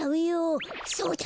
そうだ！